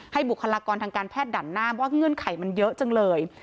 บุคลากรทางการแพทย์ดันหน้าว่าเงื่อนไขมันเยอะจังเลย